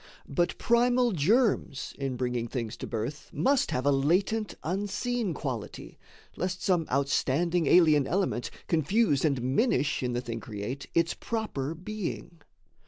But primal germs in bringing things to birth Must have a latent, unseen quality, Lest some outstanding alien element Confuse and minish in the thing create Its proper being.